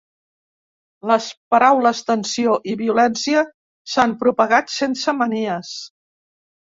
Les paraules ‘tensió’ i ‘violència’ s’han propagat sense manies.